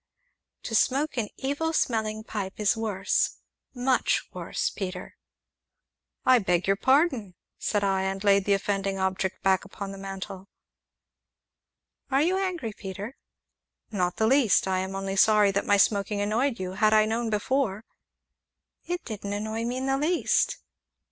"To smoke an evil smelling pipe is worse much worse, Peter!" "I beg your pardon!" said I, and laid the offending object back upon the mantel. "Are you angry, Peter?" "Not in the least; I am only sorry that my smoking annoyed you had I known before " "It didn't annoy me in the least!"